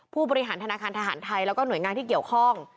ผู้บริหารธนาคารทหารไทยแล้วก็หน่วยงานที่เกี่ยวข้อง